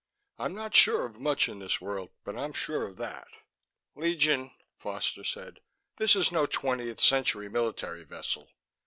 "I'm not sure of much in this world, but I'm sure of that." "Legion," Foster said, "This is no twentieth century military vessel.